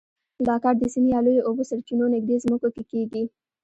دا کار د سیند یا لویو اوبو سرچینو نږدې ځمکو کې کېږي.